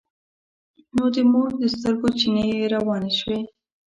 نو د مور د سترګو چينې يې روانې شوې.